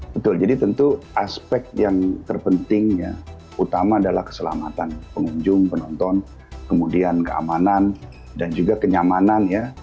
betul jadi tentu aspek yang terpenting ya utama adalah keselamatan pengunjung penonton kemudian keamanan dan juga kenyamanan ya